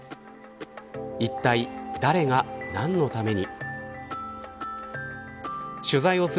いったい誰が何のために。